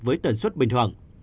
với tần suất bình thường